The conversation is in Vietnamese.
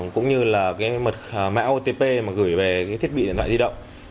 cũng như là mạng otp gửi về thiết bị điện thoại di động